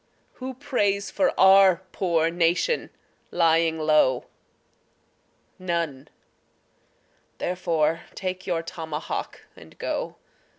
Who prays for our poor nation lying low? None therefore take your tomahawk and go.